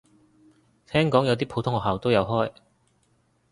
聽講有啲普通學校都有開